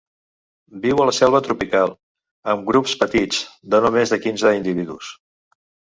Viu a la selva tropical, en grups petits de no més de quinze individus.